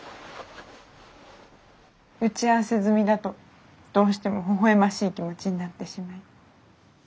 打ち合わせ済みだとどうしてもほほ笑ましい気持ちになってしまい。